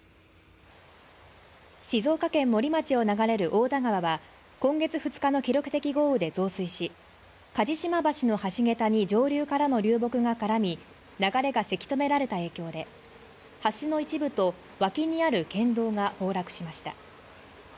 静岡県森町を流れる太田川は今月２日の記録的豪雨で増水し、鍛治島橋の橋げたに上流からの流木が絡み流れがせき止められた影響で、橋の一部と脇にある県道が崩落しました。